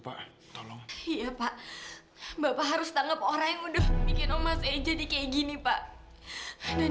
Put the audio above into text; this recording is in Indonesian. pak tolong iya pak bapak harus tanggap orang yang udah bikin emas eh jadi kayak gini pak dan